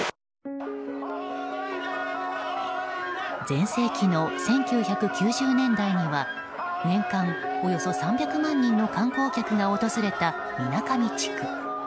全盛期の１９９０年代には年間およそ３００万人の観光客が訪れた水上地区。